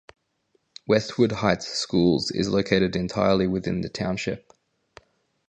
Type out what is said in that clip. Westwood Heights Schools is located entirely within the township.